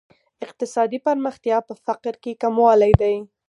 اقتصادي پرمختیا په فقر کې کموالی دی.